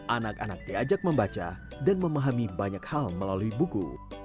anak anak diajak membaca dan memahami banyak hal melalui buku